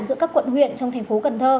giữa các quận huyện trong tp cn